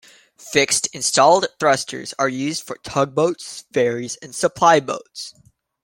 Fixed installed thrusters are used for tugboats, ferries and supply-boats.